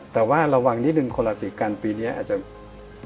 แต่ว่าระวังคือนิดหนึ่งราศีกรรมย์ปีนี้อาจจะด้านอารมณ์